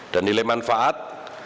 dan nilai manfaat